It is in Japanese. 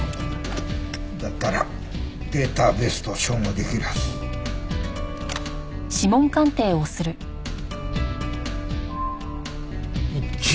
だったらデータベースと照合できるはず。一致！